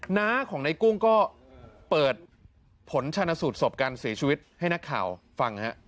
หน้าของในกุ้งก็เปิดผลชนสูตรศพการเสียชีวิตให้นักข่าวฟังฮะ